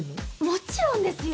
もちろんですよ！